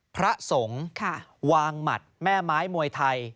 พระสงฆ์วางหมัดแม่ไม้มวยไทย